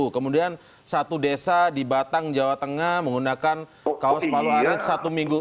kemudian satu desa di batang jawa tengah menggunakan kaos palu arit satu minggu